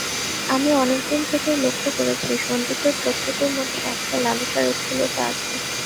আমি অনেক দিন থেকেই লক্ষ্য করেছি, সন্দীপের প্রকৃতির মধ্যে একটা লালসার স্থূলতা আছে।